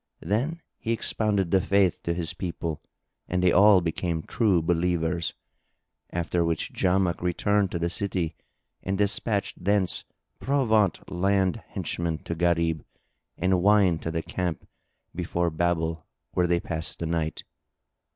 Then he expounded The Faith to his people and they all became True Believers; after which Jamak returned to the city and despatched thence provaunt and henchmen to Gharib; and wine to the camp before Babel where they passed the night.